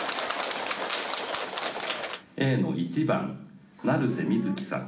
Ａの１番成瀬みずきさん。